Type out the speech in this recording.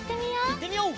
いってみよう！